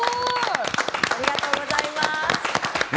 ありがとうございます！